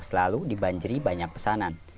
selalu dibanjiri banyak pesanan